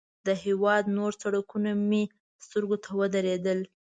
د هېواد نور سړکونه مې سترګو ته ودرېدل.